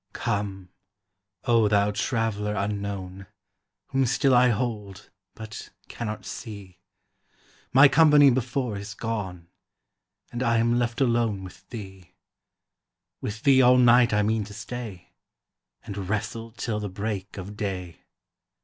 Come, O thou Traveller unknown, Whom still I hold, but cannot see; My company before is gone, And I am left alone with thee; With thee all night I mean to stay, And wrestle till the break of day.